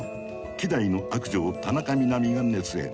希代の悪女を田中みな実が熱演。